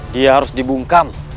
dia harus dibungkam